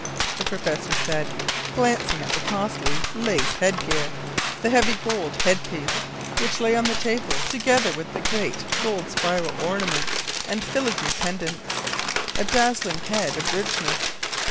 ” the professor said, glancing at the costly lace head gear, the heavy gold head piece, which lay on the table together with the great gold spiral ornaments and filigree pendants a dazzling head of richness.